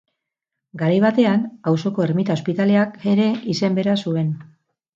Garai batean auzoko ermita-hospitaleak ere izen bera zuen.